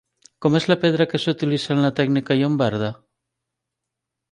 Com és la pedra que s'utilitza en la tècnica llombarda?